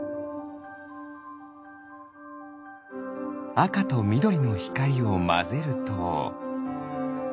あかとみどりのひかりをまぜると。